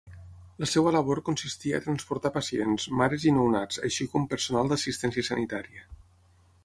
La seua labor consistia a transportar pacients, mares i nounats, així com personal d'assistència sanitària.